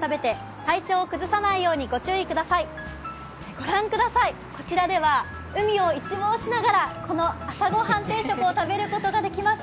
御覧ください、こちらでは海を一望しながら、この朝ごはん定食を食べることができます。